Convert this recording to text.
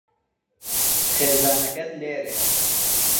خێزانەکەت لێرەیە.